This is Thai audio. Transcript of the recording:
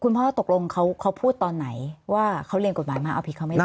พ่อตกลงเขาพูดตอนไหนว่าเขาเรียนกฎหมายมาเอาผิดเขาไม่ได้